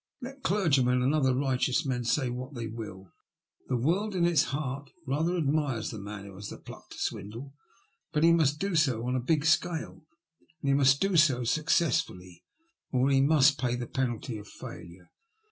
Let clergymen and other righteous men say what tiiey will, the world in its heart rather admires the man who has the pluck to swindle, but he must do so on a big scale, and he must do so successfully, or he must pay the penalty of failure.